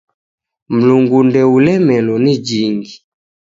Mlungu ndoulemelo ni jingi!